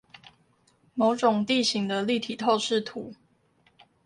某種地形的立體透視圖